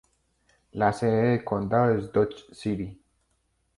La sede de condado es Dodge City.